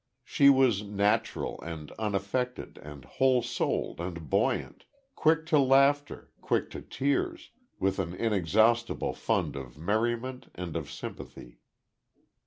She was natural, and unaffected, and whole souled and buoyant, quick to laughter, quick to tears, with an inexhaustible fund of merriment, and of sympathy.